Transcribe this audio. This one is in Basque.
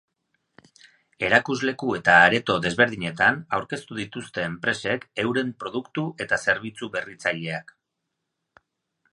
Erakusleku eta areto desberdinetan aurkeztu dituzte enpresek euren produktu eta zerbitzu berritzaileak.